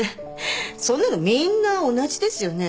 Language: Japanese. そんなのみんな同じですよね？